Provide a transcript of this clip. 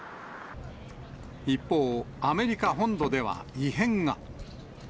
一方、アメリカ本土では異変が。